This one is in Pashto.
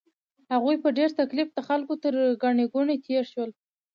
هغوی په ډېر تکلیف د خلکو تر ګڼې ګوڼې تېر شول.